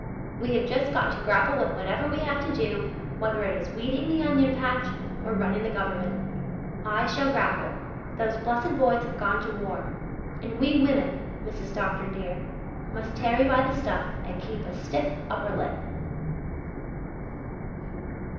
We have just got to grapple with whatever we have to do whether it is weeding the onion patch, or running the Government. I shall grapple. Those blessed boys have gone to war; and we women, Mrs. Dr. dear, must tarry by the stuff and keep a stiff upper lip."